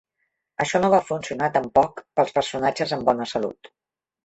Això no va funcionar tampoc pels personatges amb bona salut.